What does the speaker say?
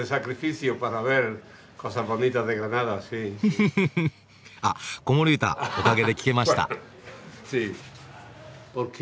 フフフフッあっ子守歌おかげで聴けました！